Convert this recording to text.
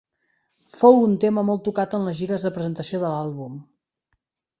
Fou un tema molt tocat en les gires de presentació de l'àlbum.